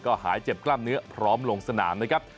ก็หายเจ็บกล้ามเนื้อพร้อมลงสนามนะครับ